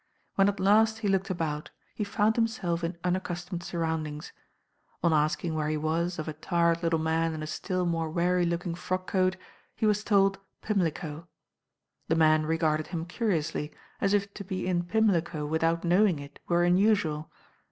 When at last he looked about, he found himself in unaccustomed surroundings. On asking where he was of a tired little man in a still more weary looking frock coat, he was told Pimlico. The man regarded him curiously, as if to be in Pimlico without knowing it were unusual.